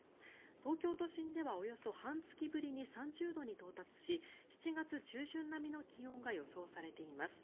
東京都心ではおよそ半月ぶりに３０度に到達し７月中旬並みの気温が予想されています。